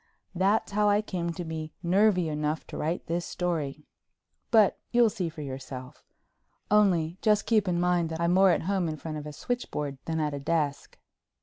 That's how I come to be nervy enough to write this story—but you'll see for yourself. Only just keep in mind that I'm more at home in front of a switchboard than at a desk.